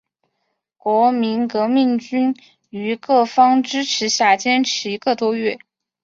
国民革命军于各方支持下坚持一个多月。